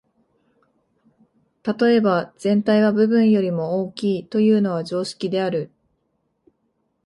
例えば、「全体は部分よりも大きい」というのは常識である。